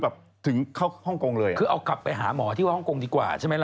เป็นพวกมอนเซอร์